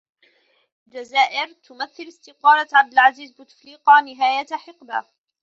في الجزائر, تمثل استقالة عبد العزيز بوتفليقة نهاية حقبة.